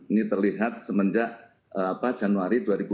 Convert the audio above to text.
ini terlihat semenjak januari dua ribu dua puluh